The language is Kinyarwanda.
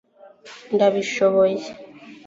ndabishoboye